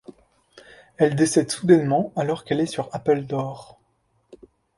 Elle décède soudainement, alors qu'elle est sur Appledore.